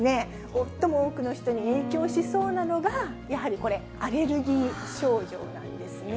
最も多くの人に影響しそうなのがやはりこれ、アレルギー症状なんですね。